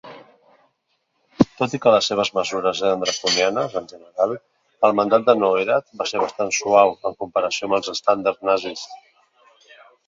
Tot i que les seves mesures eren draconianes, en general, el mandat de Neurath va ser bastant suau, en comparació amb els estàndards nazis.